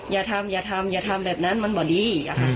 อย่าทำอย่าทำอย่าทำแบบนั้นมันบ่ดี